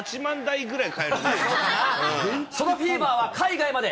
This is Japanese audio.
そのフィーバーは海外まで。